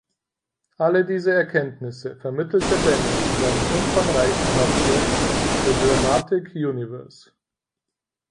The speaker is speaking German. Alle diese Erkenntnisse vermittelte Bennett in seinem umfangreichen Hauptwerk "The Dramatic Universe".